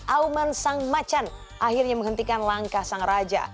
auman sang macan akhirnya menghentikan langkah sang raja